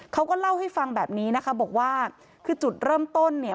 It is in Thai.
เขาก็เล่าให้ฟังแบบนี้นะคะบอกว่าคือจุดเริ่มต้นเนี่ย